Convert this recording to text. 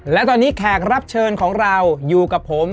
และตอนนี้แขกรับเชิญของเราอยู่กับผม